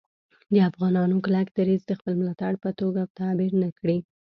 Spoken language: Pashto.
د افغانانو کلک دریځ د خپل ملاتړ په توګه تعبیر نه کړي